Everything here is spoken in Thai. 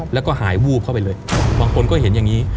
แล้วก็หายวูบเข้าไปเลยบางคนก็เห็นอย่างนี้